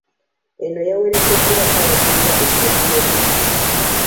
Eno yawerekeddwako abakulira ettabi ly'eBuddu.